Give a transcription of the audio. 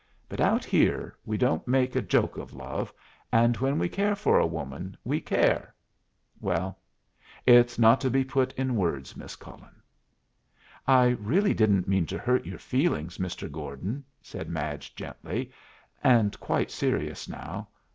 But out here we don't make a joke of love, and when we care for a woman we care well, it's not to be put in words, Miss Cullen." "I really didn't mean to hurt your feelings, Mr. Gordon," said Madge, gently, and quite serious now.